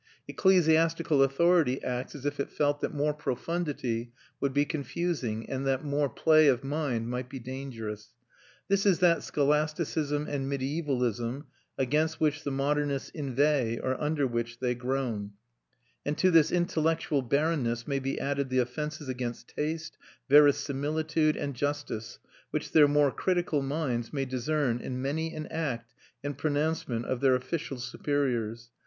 Ecclesiastical authority acts as if it felt that more profundity would be confusing and that more play of mind might be dangerous. This is that "Scholasticism" and "Mediævalism" against which the modernists inveigh or under which they groan; and to this intellectual barrenness may be added the offences against taste, verisimilitude, and justice which their more critical minds may discern in many an act and pronouncement of their official superiors.